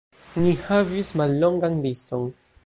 Ni havis mallongan liston.